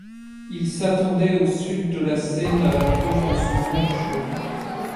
Il s'étendait au sud de la Seine à l'approche de son embouchure.